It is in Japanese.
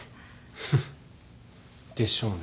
フンッ。でしょうね。